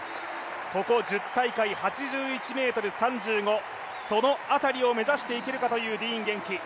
ここ１０大会、８１ｍ３５、その辺りを目指していけるかというディーン元気。